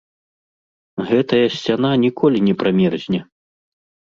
Гэтая сцяна ніколі не прамерзне!